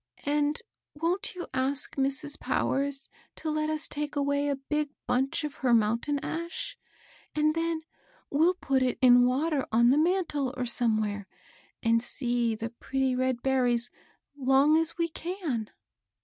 And wont you ask Mrs. Powers to hi us take away a big bunch of her mountain ash ? and then we'll put it in water on the mantle or somewhere, and see tiiie pretty red berries long as we can."